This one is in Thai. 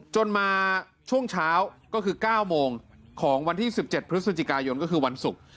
จนมาช่วงเช้าก็คือ๙โมงของวันที่๑๗พฤศจิกายนก็คือวันศุกร์